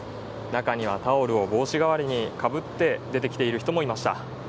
中にはタオルを帽子代わりにかぶって出てくる人もいました。